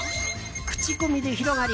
口コミで広がり